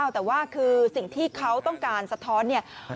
แต่ว่าคือสิ่งที่เขาต้องการสะท้อนเนี่ย